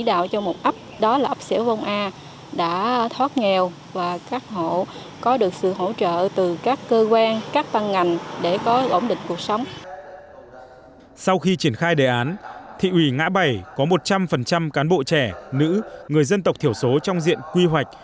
đề án thị ủy ngã bảy có một trăm linh cán bộ trẻ nữ người dân tộc thiểu số trong diện quy hoạch